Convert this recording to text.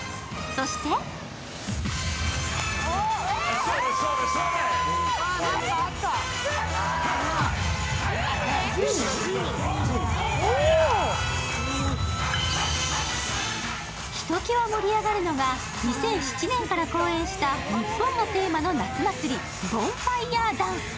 そしてひときわ盛り上がるのが、２００７年から公演した日本がテーマの夏祭りボンファイヤーダンス。